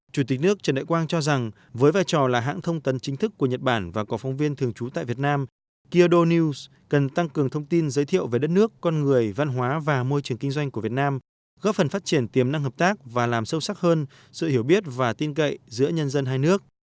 chủ tịch nước trần đại quang cho rằng với vai trò là hãng thông tấn chính thức của nhật bản và có phóng viên thường trú tại việt nam kyodo news cần tăng cường thông tin giới thiệu về đất nước con người văn hóa và môi trường kinh doanh của việt nam góp phần phát triển tiềm năng hợp tác và làm sâu sắc hơn sự hiểu biết và tin cậy giữa nhân dân hai nước